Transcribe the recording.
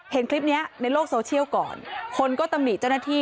เห็นคลิปนี้ในโลกโซเชียลก่อนคนก็ตำหนิเจ้าหน้าที่